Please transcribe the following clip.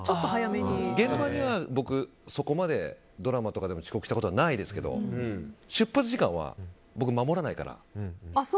現場にはそこまでドラマとかで遅刻したことはないですけど出発時間は僕、守らないから。